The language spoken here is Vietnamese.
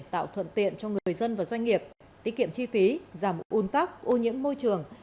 tạo thuận tiện cho người dân và doanh nghiệp tí kiệm chi phí giảm un tắc ô nhiễm môi trường